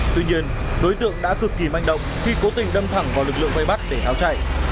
tuy nhiên đối tượng đã cực kỳ manh động khi cố tình đâm thẳng vào lực lượng vây bắt để tháo chạy